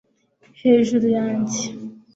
hejuru yanjye